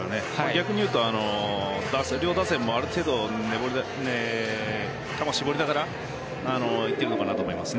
逆にいうと、両打線もある程度球を絞りながらいっているのかなと思います。